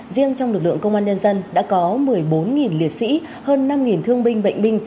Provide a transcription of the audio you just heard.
riêng trong lực lượng công an nhân dân đã có một mươi bốn liệt sĩ hơn năm thương binh bệnh binh